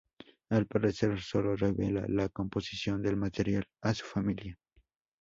Al parecer, sólo reveló la composición del material a su familia.